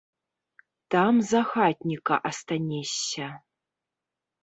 Там за хатніка астанешся.